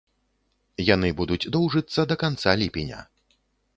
Яны будуць доўжыцца да канца ліпеня.